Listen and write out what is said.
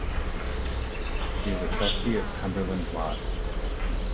She is a trustee of Cumberland Lodge.